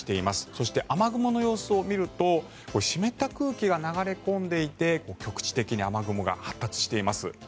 そして、雨雲の様子を見ると湿った空気が流れ込んでいて局地的に雨雲が発達しています。